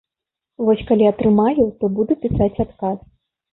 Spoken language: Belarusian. Вось калі атрымаю, то буду пісаць адказ.